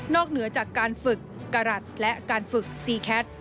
เหนือจากการฝึกกรัฐและการฝึกซีแคท